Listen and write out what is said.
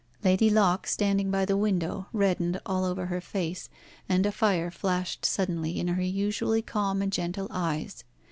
Lady Locke, standing by the window, reddened all over her face, and a fire flashed suddenly in her usually calm and gentle eyes.